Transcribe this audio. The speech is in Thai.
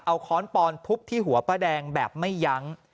เอาค้อนปอนทุบที่หัวป้าแดงแบบไม่ยั้ง